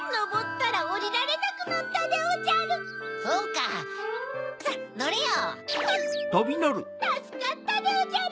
たすかったでおじゃる。